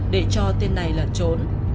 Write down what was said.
để cho tên này là trốn